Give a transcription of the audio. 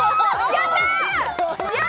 やったー！